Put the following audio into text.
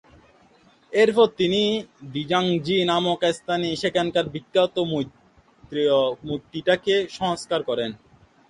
এরপর তিনি 'দ্জিং-জি নামক স্থানে সেখানকার বিখ্যাত মৈত্রেয় মূর্তিটিকে সংস্কার করেন।